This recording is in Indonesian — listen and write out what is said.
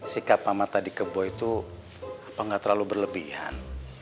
sikap mama tadi ke boy itu apa nggak terlalu berlebihan